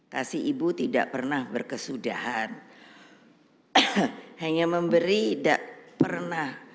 kasih ibu tidak pernah berkesudahan hanya memberi tidak pernah